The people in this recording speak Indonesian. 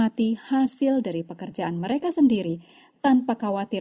dan setiap orang dapat menikmati hasil dari pekerjaan mereka sendiri tanpa khawatir akan dicuri